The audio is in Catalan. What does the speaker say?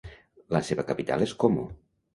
La seva capital és Como.